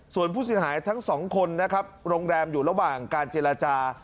ส่วนผู้เสียหายทั้งสองคนนะครับโรงแรมอยู่ระหว่างการเจรจา